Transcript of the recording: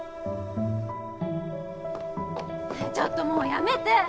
ねえちょっともうやめて！